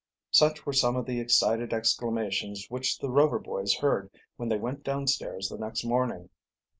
Such were some of the excited exclamations which the Rover boys heard when they went downstairs the next morning.